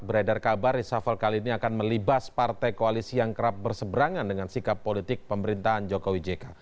beredar kabar reshuffle kali ini akan melibas partai koalisi yang kerap berseberangan dengan sikap politik pemerintahan jokowi jk